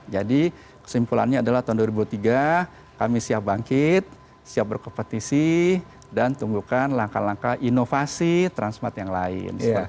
jadi kesimpulannya adalah tahun dua ribu tiga kami siap bangkit siap berkompetisi dan tunggu langkah langkah inovasi transmart yang lain